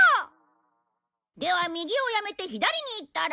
では右をやめて左に行ったら？